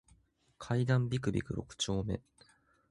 階段ビクビク六丁目